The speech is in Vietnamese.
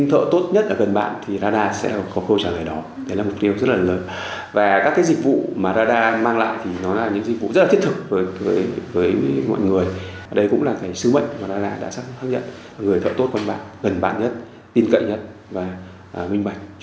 thợ tốt nhất của một dịch vụ tại hà nội